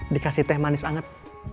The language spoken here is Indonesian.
dikasih teh manis anget